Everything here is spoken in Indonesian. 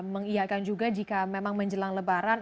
mengiakan juga jika memang menjelang lebaran